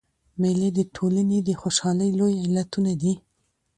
مېلې د ټولني د خوشحالۍ لوی علتونه دي.